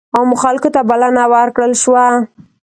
عامو خلکو ته بلنه ورکړل شوه.